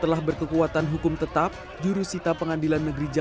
atau menurut kira